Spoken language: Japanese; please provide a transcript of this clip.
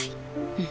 うん。